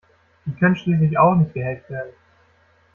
Die können schließlich auch nicht gehackt werden.